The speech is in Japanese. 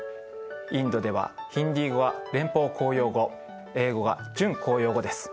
インドではヒンディー語が連邦公用語英語が準公用語です。